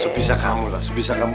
sebisa kamu lah sebisa kamu